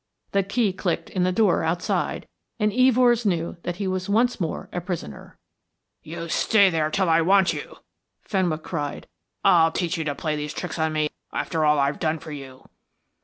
The key clicked in the door outside, and Evors knew that he was once more a prisoner. "You stay there till I want you," Fenwick cried. "I'll teach you to play these tricks on me after all I have done for you."